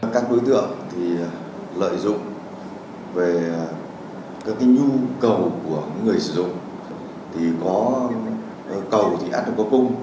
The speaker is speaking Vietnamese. các đối tượng lợi dụng về các nhu cầu của người sử dụng có cầu thì ăn được có cung